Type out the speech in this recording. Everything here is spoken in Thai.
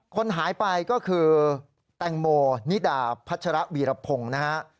คนหายไปก็คือแตงโมนิดาพัชระวีรพงศ์นะฮะ